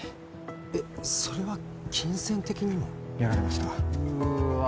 えっそれは金銭的にも？やられましたうわ